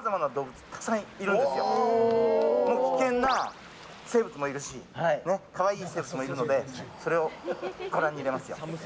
危険な生物もいるし可愛い生物もいるのでそれをご覧にいれますよ。